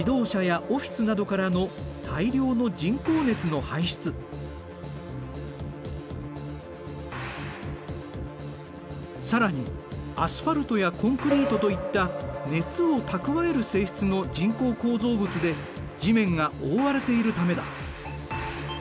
主な原因は更にアスファルトやコンクリートといった熱を蓄える性質の人工構造物で地面が覆われているためだ。